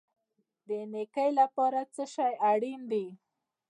د نیکۍ لپاره څه شی اړین دی؟